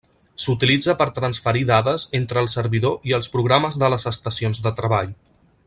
S'utilitza per transferir dades entre el servidor i els programes de les estacions de treball.